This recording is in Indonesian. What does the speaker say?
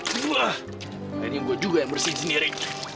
kayaknya gue juga yang bersih sendiri